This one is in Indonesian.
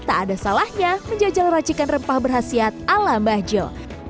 tak ada salahnya menjajal racikan rempah berhasiat ala mbahjo